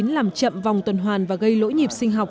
làm chậm vòng tuần hoàn và gây lỗi nhịp sinh học